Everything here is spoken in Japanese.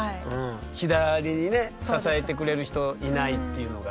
左にね支えてくれる人いないっていうのが。